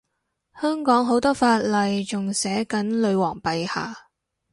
香港好多法例仲寫緊女皇陛下